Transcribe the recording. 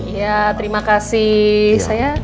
iya terima kasih saya